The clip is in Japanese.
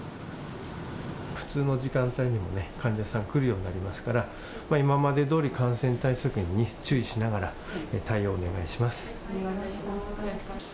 普通の時間帯にも患者さん、来るようになりますから今までどおり感染対策に注意をしながら対応をお願いします。